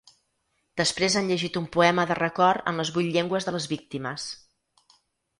Després han llegit un poema de record en les vuit llengües de les víctimes.